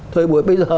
thời buổi bây giờ